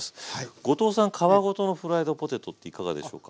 後藤さん皮ごとのフライドポテトっていかがでしょうか。